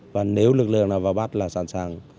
và nếu lực lượng nào vào bắt là sẵn sàng